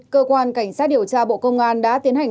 cơ quan cảnh sát điều tra bộ công an đã tiến hành